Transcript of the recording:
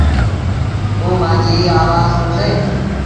او مآݩجيٚ آوآز سُڻسيݩ